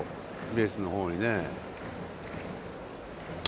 ベースのほうにね。